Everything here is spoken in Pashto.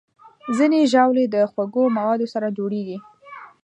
ځینې ژاولې د خوږو موادو سره جوړېږي.